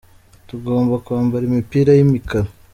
Tugomba kwambara imipira yi mikara.